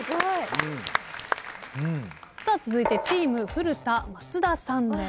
続いてチーム古田松田さんです。